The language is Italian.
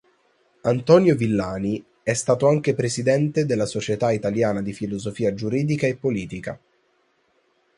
Antonio Villani è stato anche presidente della "Società Italiana di Filosofia giuridica e politica".